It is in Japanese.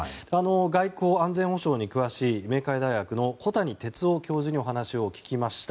外交・安全保障に詳しい明海大学の小谷哲男教授にお話を聞きました。